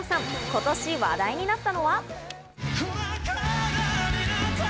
今年話題になったのは。